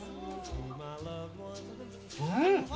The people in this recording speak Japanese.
うん！